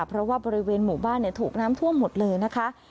เพราะว่าบริเวณหมู่บ้านถูกน้ำท่วมหมดเลยนะคะ